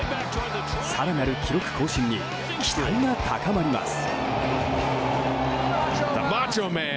更なる記録更新に期待が高まります。